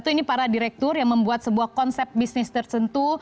ini para direktur yang membuat sebuah konsep bisnis tertentu